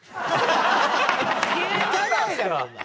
行かないだろお前。